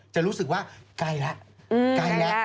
จะรู้สึกว่าไกลละ